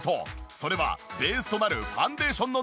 それはベースとなるファンデーションの塗り方。